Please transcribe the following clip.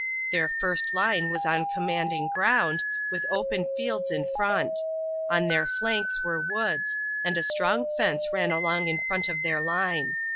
Their first line was on commanding ground, with open fields in front; on their flanks were woods, and a strong fence ran along in front of their line.